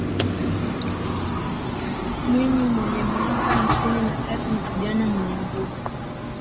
Mwinyi mwenye miaka hamsini na tatu ni kijana mwenye nguvu